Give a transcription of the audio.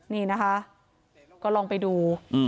นี่นะคะก็ลองไปดู